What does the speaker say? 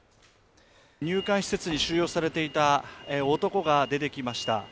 入管施設に収容されていた男が出てきました。